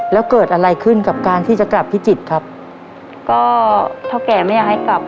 แล้วเกิดอะไรขึ้นกับการที่จะกลับพิจิตรครับ